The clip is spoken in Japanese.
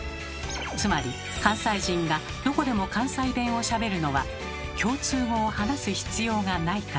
つまり関西人がどこでも関西弁をしゃべるのは共通語を話す必要がないから。